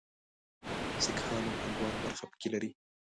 سیکهان او هندوان برخه پکې لري.